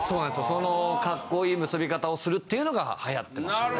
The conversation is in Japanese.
そのカッコいい結び方をするっていうのが流行ってましたね。